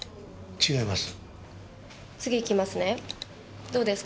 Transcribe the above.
違います。